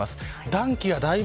暖気がだいぶ